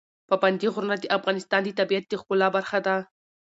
پابندی غرونه د افغانستان د طبیعت د ښکلا برخه ده.